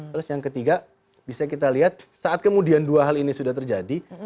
terus yang ketiga bisa kita lihat saat kemudian dua hal ini sudah terjadi